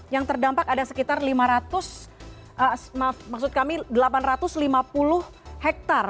yang terdampak ada sekitar delapan ratus lima puluh hektare